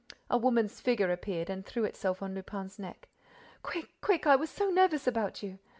A woman's figure appeared and threw itself on Lupin's neck: "Quick, quick, I was so nervous about you.